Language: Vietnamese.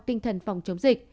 tinh thần phòng chống dịch